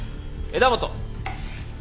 枝元。